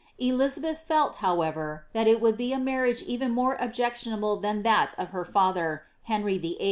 Elizabeth felt, how ever« that it would be a marriage even more objectionable than that of her fether, Henry VIII.